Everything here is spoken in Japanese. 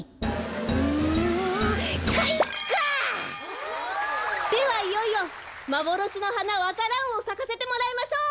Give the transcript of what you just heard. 「うんかいか！」ではいよいよまぼろしのはなわか蘭をさかせてもらいましょう。